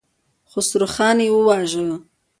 خسروخان يې وواژه.